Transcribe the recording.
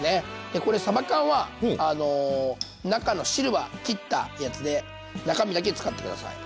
でこれさば缶はあの中の汁はきったやつで中身だけ使って下さい。